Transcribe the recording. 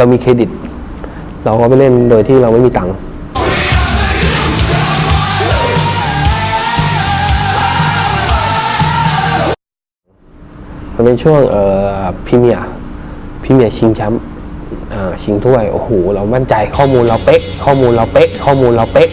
มันเป็นที่เราไม่มีตังค์ชิงถ้วยโอ้โหเรามั่นใจข้อมูลเราเป๊ะข้อมูลเราเป๊ะข้อมูลเราเป๊ะ